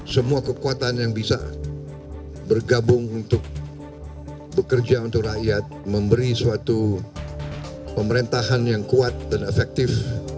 semua kekuatan yang bisa bergabung untuk bekerja untuk rakyat memberi suatu pemerintahan yang kuat dan efektif